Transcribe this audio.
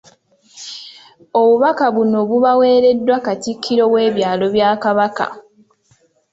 Obubaka buno bubaweereddwa Katikkiro w’ebyalo bya Kabaka.